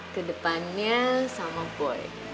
kedepannya sama boy